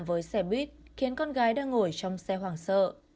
với xe buýt khiến con gái đang ngồi trong xe hoảng sợ